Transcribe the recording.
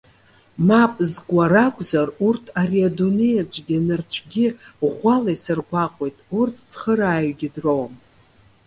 Мап зкуа ракәзар, урҭ ари адунеи аҿгьы нарцәгьы ӷәӷәала исыргәаҟуеит. Урҭ цхырааҩгьы дроуам.